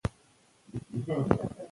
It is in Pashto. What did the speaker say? د مینې کلتور د ټولنې پرمختګ تضمینوي.